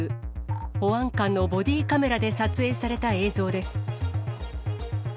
保安官のボディーカメラで撮影された映像です。